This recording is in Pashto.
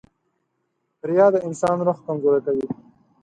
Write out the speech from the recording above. • ریا د انسان روح کمزوری کوي.